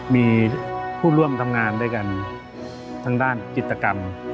มีผู้ร่วมทำงานด้วยกันทางด้านจิตกรรม